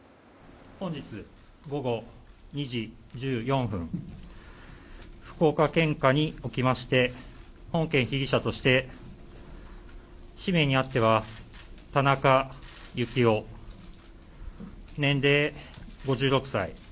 本日午後２時１４分福岡県下におきまして本件被疑者として氏名にあっては田中幸雄年齢、５６歳。